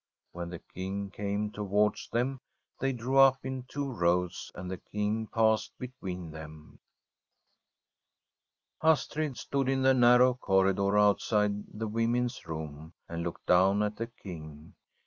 When the King came towards them, they drew up in two rows, and the King passed between them. Astrid stood in the narrow corridor outside the Women's Room and looked down at the King.